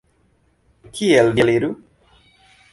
Kiel vi eliru?